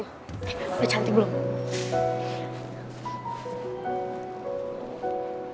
eh udah cantik belum